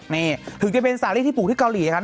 นี่ถึงจะเป็นสาลีที่ปลูกที่เกาหลีครับ